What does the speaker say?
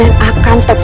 aku akan melihat